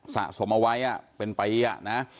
สะสมเอาไว้เป็นประอียะนะฮะ